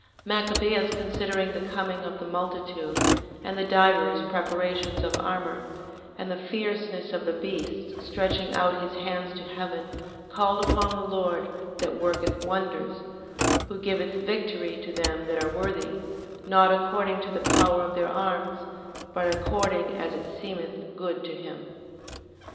Machabeus considering the coming of the multitude, and the divers preparations of armour, and the fierceness of the beasts, stretching out his hands to heaven, called upon the Lord, that worketh wonders, who giveth victory to them that are worthy, not according to the power of their arms, but according as it seemeth good to him.